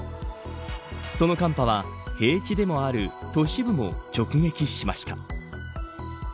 その寒波は平地でもある都市部も直撃しました。